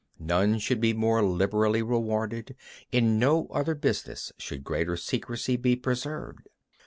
None should be more liberally rewarded. In no other business should greater secrecy be preserved.